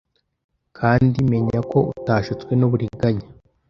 Kandi menya ko utashutswe n'uburiganya